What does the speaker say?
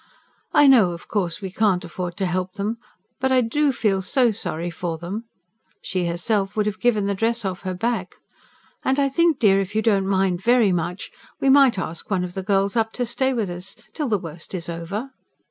"I know, of course, we can't afford to help them; but I DO feel so sorry for them" she herself would have given the dress off her back. "And I think, dear, if you didn't mind VERY much, we might ask one of the girls up to stay with us ... till the worst is over."